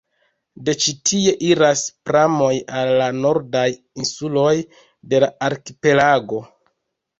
De ĉi tie iras pramoj al la nordaj insuloj de la arkipelago.